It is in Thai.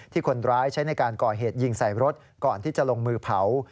คนร้ายใช้ในการก่อเหตุยิงใส่รถก่อนที่จะลงมือเผา